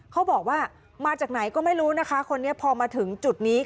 เขาบอกว่ามาจากไหนก็ไม่รู้นะคะคนนี้พอมาถึงจุดนี้